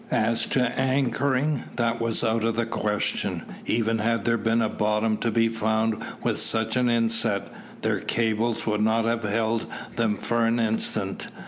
As to anchoring, that was out of the question. Even had there been bottom to be found with such an inset, their cable would not have held them for an instant.